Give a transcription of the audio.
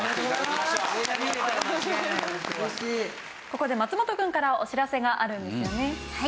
ここで松本くんからお知らせがあるんですよね。